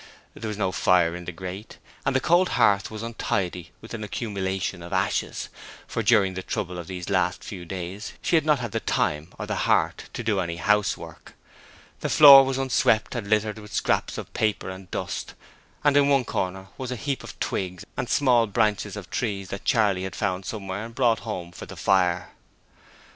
There was no fire in the grate, and the cold hearth was untidy with an accumulation of ashes, for during the trouble of these last few days she had not had time or heart to do any housework. The floor was unswept and littered with scraps of paper and dust: in one corner was a heap of twigs and small branches of trees that Charley had found somewhere and brought home for the fire.